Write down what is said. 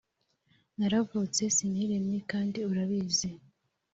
naravutse siniremye kandi urabizi